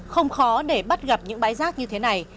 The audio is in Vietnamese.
không khó để bắt gặp những bãi rác như thế này